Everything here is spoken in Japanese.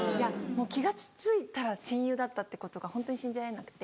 気が付いたら親友だったってことがホントに信じられなくて。